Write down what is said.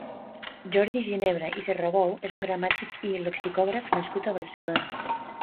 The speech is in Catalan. Jordi Ginebra i Serrabou és un gramàtic i lexicògraf nascut a Barcelona.